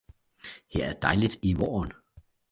Her er dejligt i våren!